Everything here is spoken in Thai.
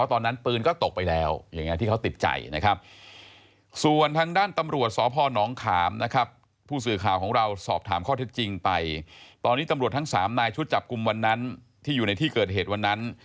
ตอนนี้ตำรวจทั้ง๓นายชุดจับกลุ่มวันนั้นที่อยู่ในที่เกิดเหตุวันนั้น